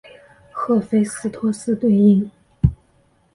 赫菲斯托斯对应。